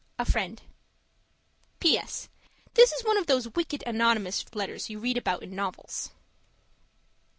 A Friend PS. This is one of those wicked anonymous letters you read about in novels.